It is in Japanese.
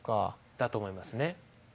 だと思いますね。